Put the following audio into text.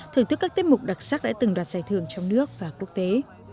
thưởng thức các tiết mục đặc sắc đã từng đoạt giải thưởng trong nước và quốc tế